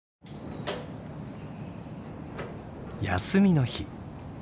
休みの日。